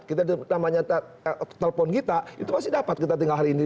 kita namanya telepon kita itu pasti dapat kita tinggal hari ini